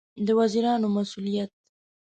د وزیرانو مسوولیت